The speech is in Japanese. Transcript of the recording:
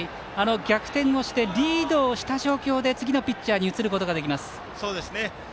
逆転をしてリードした状況で次のピッチャーに移ることができます。